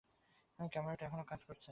ক্যামেরাটা এখনও কাজ করছে।